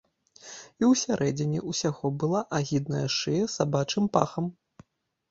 І ў сярэдзіне ўсяго была агідная шыя з сабачым пахам.